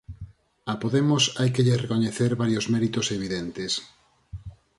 A Podemos hai que lle recoñecer varios méritos evidentes.